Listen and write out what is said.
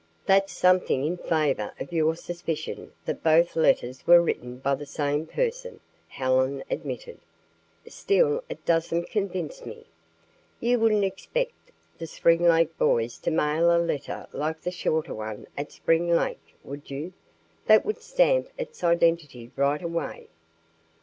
"That's something in favor of your suspicion that both letters were written by the same person," Helen admitted. "Still it doesn't convince me. You wouldn't expect the Spring Lake boys to mail a letter like the shorter one at Spring Lake, would you? That would stamp its identity right away."